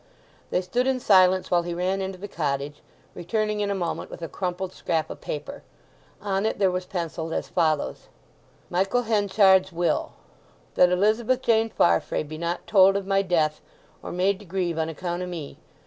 They stood in silence while he ran into the cottage; returning in a moment with a crumpled scrap of paper. On it there was pencilled as follows:— MICHAEL HENCHARD'S WILL. "That Elizabeth Jane Farfrae be not told of my death, or made to grieve on account of me.